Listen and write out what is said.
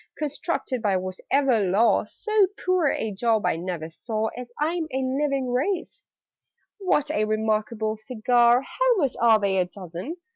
Constructed by whatever law, So poor a job I never saw, As I'm a living Wraith! "What a re markable cigar! How much are they a dozen?"